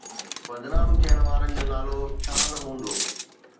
بدنام ٿيڻ وارن جو نالو ڇا نه هوندو؟